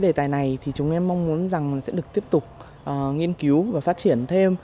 đề tài này thì chúng em mong muốn rằng sẽ được tiếp tục nghiên cứu và phát triển thêm